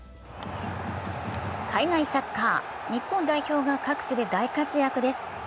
海外サッカー、日本代表が各地で大活躍です。